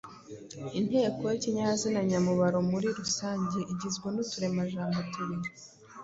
Intego y’ikinyazina nyamubaro muri rusange igizwe n’uturemajambo tubiri